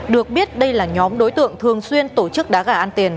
được biết đây là nhóm đối tượng thường xuyên tổ chức đá gà ăn tiền